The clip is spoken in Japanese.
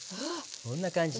こんな感じ。